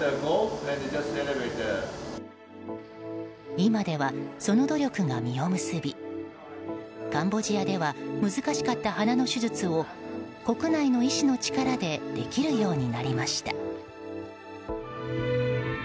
今では、その努力が実を結びカンボジアでは難しかった鼻の手術を国内の医師の力でできるようになりました。